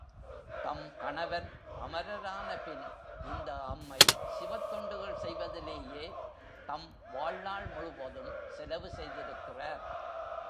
தம் கணவர் அமரரான பின் இந்த அம்மை சிவத்தொண்டுகள் செய்வதிலேயே தம் வாழ்நாள் முழுவதும் செலவு செய்திருக்கிறார்.